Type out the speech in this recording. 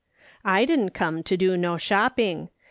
I didn't come to do no shopping.